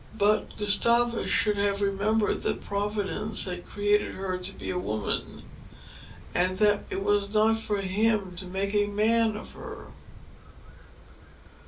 But Gustavus should have remembered that Providence had created her to be a woman, and that it was not for him to make a man of her.